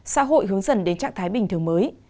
xã hội hướng dần đến trạng thái bình thường mới